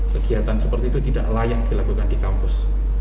kegiatan seperti itu tidak layak dilakukan di kampus